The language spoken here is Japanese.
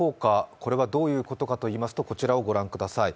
これがどういうことかといいますと、こちらをご覧ください。